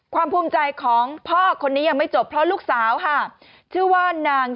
ภูมิใจของพ่อคนนี้ยังไม่จบเพราะลูกสาวค่ะชื่อว่านาง